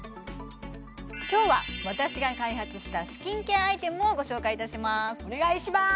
今日は私が開発したスキンケアアイテムをご紹介いたしますお願いします